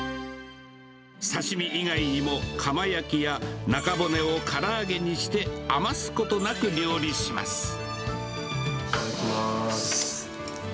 刺身以外にも、カマ焼きや、中骨をから揚げにして、余すことなく料理します。